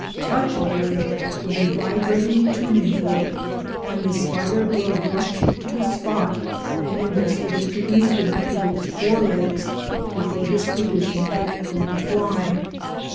Touch a web with a vibrating tuning fork and the spider will rush to the spot and investigate the instrument with its fore legs before distinguishing it from a fly.